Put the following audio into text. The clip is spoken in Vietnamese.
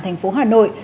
thành phố hà nội